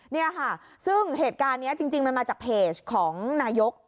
นี่ค่ะซึ่งเหตุการณ์นี้จริงมันมาจากเพจของนายก